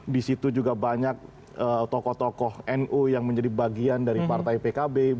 di situ juga banyak tokoh tokoh nu yang menjadi bagian dari partai pkb